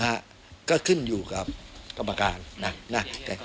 นะฮะก็ขึ้นอยู่ครับกรรมการน่ะน่ะ